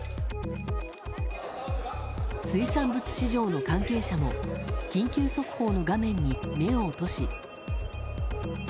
水産物市場の関係者も緊急速報の画面に目を落とし。